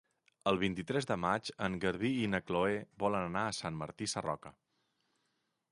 El vint-i-tres de maig en Garbí i na Chloé volen anar a Sant Martí Sarroca.